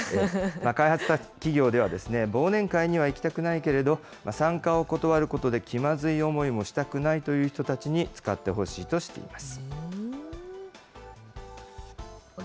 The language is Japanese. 開発した企業では、忘年会には行きたくないけれど、参加を断ることで気まずい思いもしたくないという人たちに使ってほしいとしています。